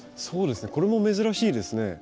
そうですねこれも珍しいですね。